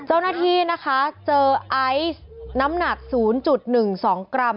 เจ้าหน้าที่นะคะเจอไอซ์น้ำหนัก๐๑๒กรัม